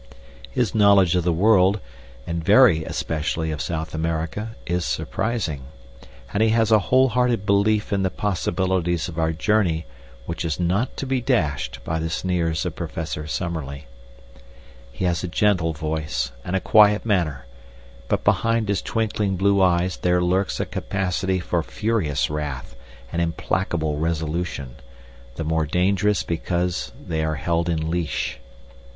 His knowledge of the world, and very especially of South America, is surprising, and he has a whole hearted belief in the possibilities of our journey which is not to be dashed by the sneers of Professor Summerlee. He has a gentle voice and a quiet manner, but behind his twinkling blue eyes there lurks a capacity for furious wrath and implacable resolution, the more dangerous because they are held in leash.